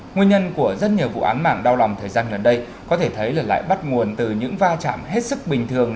nguyên nhân của rất nhiều vụ án mạng đau lòng thời gian gần đây có thể thấy là lại bắt nguồn từ những va chạm hết sức bình thường